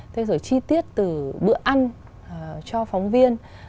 thế rồi chi tiết từ bữa ăn cho phóng viên